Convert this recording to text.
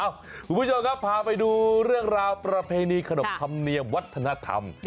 คุณผู้ชมครับพาไปดูเรื่องราวประเพณีขนบธรรมเนียมวัฒนธรรม